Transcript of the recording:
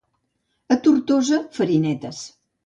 A Tortosa, farinetes.